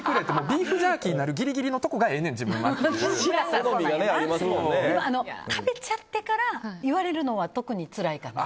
ビーフジャーキーになるギリギリのところがええねん食べちゃってから言われるのは特につらいかな。